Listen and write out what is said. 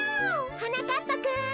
・はなかっぱくん。